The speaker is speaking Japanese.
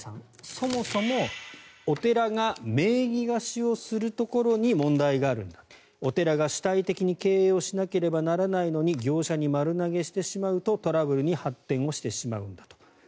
そもそも、お寺が名義貸しをすることに問題があるお寺が主体的に経営をしなければならないのに業者に丸投げしてしまうとトラブルに発展してしまうんだと。